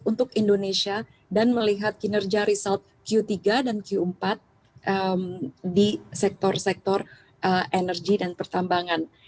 untuk indonesia dan melihat kinerja result q tiga dan q empat di sektor sektor energi dan pertambangan